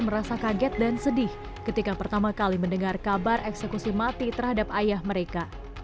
merasa kaget dan sedih ketika pertama kali mendengar kabar eksekusi mati terhadap ayah mereka